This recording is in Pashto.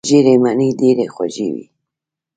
ژیړې مڼې ډیرې خوږې وي.